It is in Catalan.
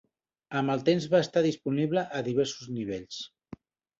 Amb el temps va estar disponible a diversos nivells.